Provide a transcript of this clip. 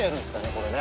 これね。